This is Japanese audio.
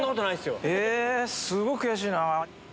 すごい悔しいな。